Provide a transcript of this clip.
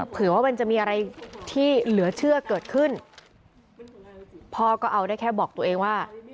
เผื่อว่ามันจะมีอะไรที่เหลือเชื่อเกิดขึ้นพ่อก็เอาได้แค่บอกตัวเองว่า